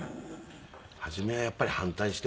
初めはやっぱり反対していましたね。